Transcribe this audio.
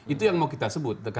itu yang mau kita sebut